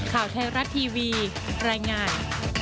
ข่าวไทยรัฐทีวีรายงาน